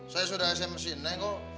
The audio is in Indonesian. saya sudah smc neng kok